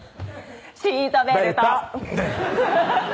「シートベルト」ダン！